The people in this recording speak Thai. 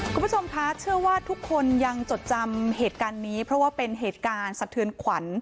คุณผู้ชมคะเชื่อว่าทุกคนยังจดจำเหตุการณ์นี้เพราะว่าเป็นเหตุการณ์สะเทือนขวัญ